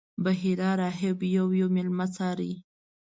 بحیرا راهب یو یو میلمه څاري.